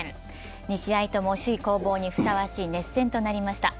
２試合とも首位攻防にふさわしい熱戦となりました。